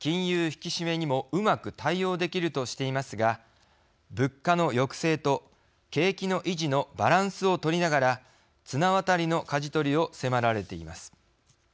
引き締めにもうまく対応できるとしていますが物価の抑制と景気の維持のバランスをとりながら綱渡りのかじ取りを迫られています。